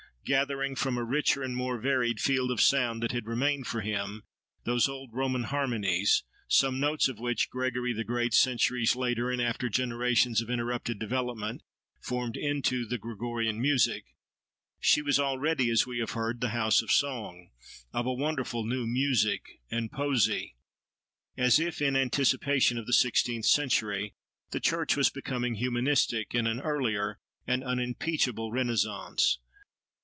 Gathering, from a richer and more varied field of sound than had remained for him, those old Roman harmonies, some notes of which Gregory the Great, centuries later, and after generations of interrupted development, formed into the Gregorian music, she was already, as we have heard, the house of song—of a wonderful new music and poesy. As if in anticipation of the sixteenth century, the church was becoming "humanistic," in an earlier, and unimpeachable Renaissance.